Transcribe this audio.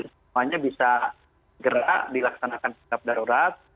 semuanya bisa gerak dilaksanakan setiap darurat